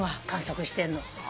観測してんの。